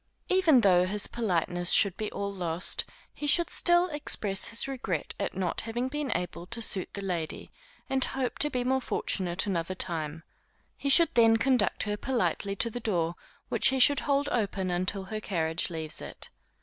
Even though his politeness should be all lost, he should still express his regret at not having been able to suit the lady, and hope to be more fortunate another time; he should then conduct her politely to the door, which he should hold open until her carriage leaves it.